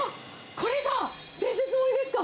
これが伝説盛りですか！